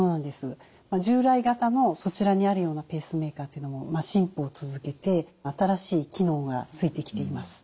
従来型のそちらにあるようなペースメーカーというのも進歩を続けて新しい機能がついてきています。